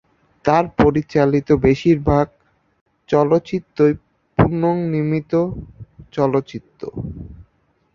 তার পরিচালিত বেশিরভাগ চলচ্চিত্রই পুনঃনির্মিত চলচ্চিত্র।